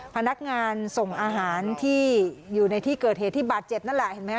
พนักงานส่งอาหารที่อยู่ในที่เกิดเหตุที่บาดเจ็บนั่นแหละเห็นไหมค